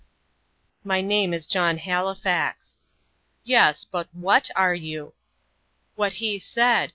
"My name is John Halifax." "Yes; but WHAT are you?" "What he said.